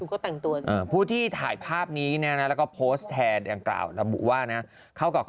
กูก็แต่งตัวจริง